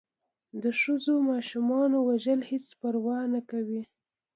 د ښځو و ماشومانو وژل هېڅ پروا نه کوي.